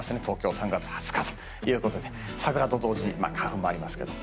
東京、３月２０日ということで桜と同時に花粉もありますが。